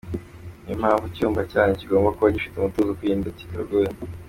Niyo mpamvu icyumba cyanyu kigomba kuba gifite umutuzo, mwirinda kirogoya.